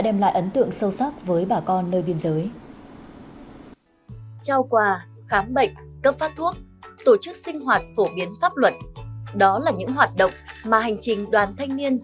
đó là những hoạt động mà hành trình đoàn thanh niên